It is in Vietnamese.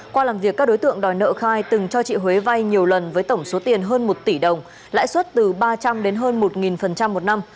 qua làm việc các đối tượng đòi nợ khai từng cho chị huế vay nhiều lần với tổng số tiền hơn một tỷ đồng lãi suất từ ba trăm linh đến hơn một một năm